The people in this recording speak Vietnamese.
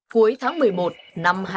cuối tháng một mươi một năm hai nghìn một mươi